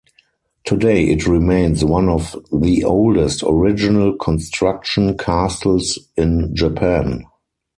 Today it remains one of the oldest original-construction castles in Japan.